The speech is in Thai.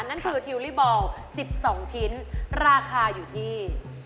นั่นคือทิวลี่บอล๑๒ชิ้นราคาอยู่ที่